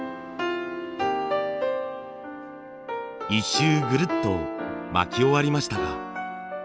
１周ぐるっと巻き終わりましたが。